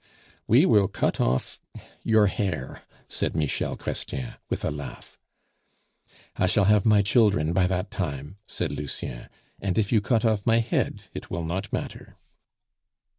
"We will cut off your hair," said Michel Chrestien, with a laugh. "I shall have my children by that time," said Lucien; "and if you cut off my head, it will not matter."